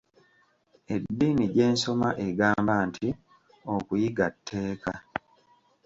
Eddiini gye nsoma egamba nti okuyiga tteeka.